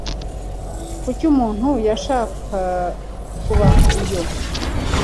Kuki umuntu yashaka kubayo?